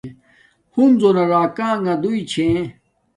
ہنزہ نا راکانݣ دوݵ چھے